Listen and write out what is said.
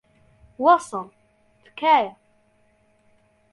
وەسڵ، تکایە.